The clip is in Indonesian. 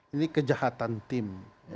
ini kejahatan tim